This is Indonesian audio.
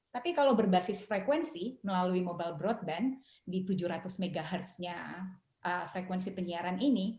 tapi kalau berbasis frekuensi melalui mobile broadband di tujuh ratus mhz nya frekuensi penyiaran ini